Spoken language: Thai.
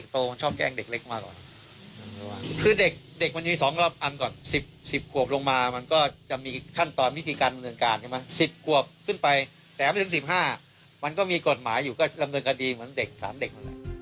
แต่ไม่ถึง๑๕มันก็มีกฎหมายอยู่ก็ดำเนินคดีเหมือนเด็ก๓เด็ก